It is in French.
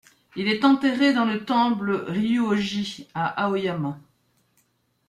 Il est enterré dans le temple Ryūhōji à Aoyama.